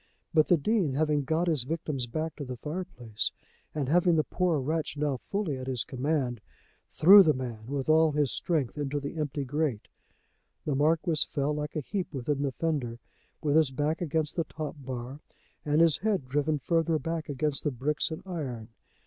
But the Dean having got his victim's back to the fireplace, and having the poor wretch now fully at his command, threw the man with all his strength into the empty grate. The Marquis fell like a heap within the fender, with his back against the top bar and his head driven further back against the bricks and iron.